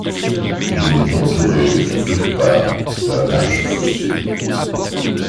Il est entouré de toutes parts d'un large fossé.